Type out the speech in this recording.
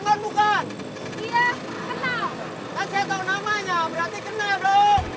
kan saya tau namanya berarti kenal ya bro